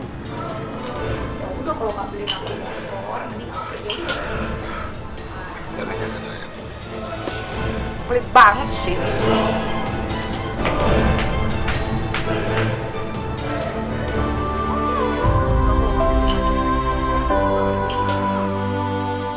yaudah kalo gak beli aku motor mending aku beli dia sih